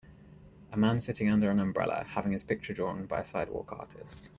A man sitting under an umbrella, having his picture drawn by a sidewalk artist.